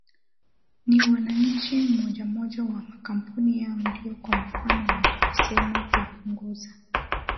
ni wananchi mmoja mmoja na makampuni yao ndio kwa mfano wanaposema kuipunguza